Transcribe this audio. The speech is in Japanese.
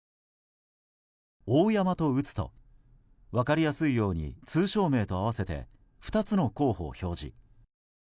大山と打つと分かりやすいように通称名と合わせて２つの候補を表示。